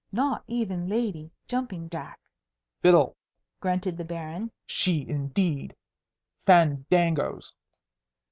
"Not even Lady Jumping Jack." "Fiddle!" grunted the Baron. "She indeed! Fandangoes!"